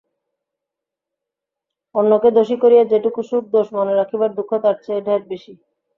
অন্যকে দোষী করিয়া যেটুকু সুখ, দোষ মনে রাখিবার দুঃখ তাহার চেয়ে ঢের বেশি।